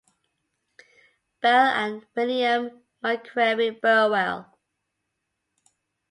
Bell, and William MacCreary Burwell.